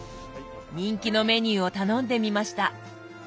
人気のメニューを頼んでみました。